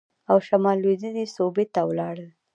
او شمال لوېدیځې صوبې ته ولاړل.